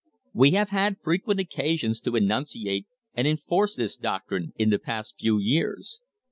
We have had frequent occasions to enunciate and enforce this doctrine in the past few years.